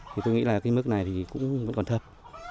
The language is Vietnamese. thì tôi nghĩ là cái mức này thì cũng vẫn còn thấp